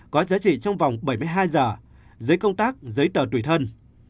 có giá trị trong vòng bảy mươi hai giờ giấy công tác giấy tờ tùy thân